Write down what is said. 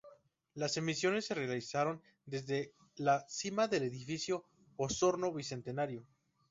Las emisiones se realizaron desde la cima del edificio Osorno Bicentenario.